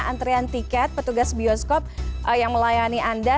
antrian tiket petugas bioskop yang melayani anda